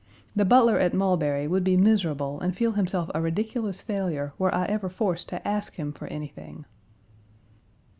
The butler at Mulberry would be miserable and feel himself a ridiculous failure were I ever forced to ask him for anything.